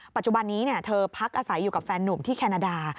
ปัจจุบันนี้เธอพักอาศัยอยู่กับแฟนนุ่มที่แคนาดา